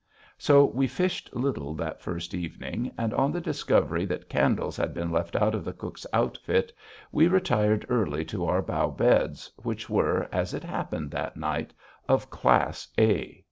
So we fished little that first evening, and, on the discovery that candles had been left out of the cook's outfit, we retired early to our bough beds, which were, as it happened that night, of class A.